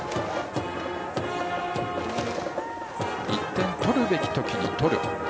１点取るべきときにとる。